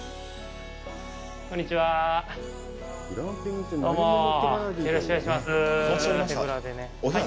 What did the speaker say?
こんにちは。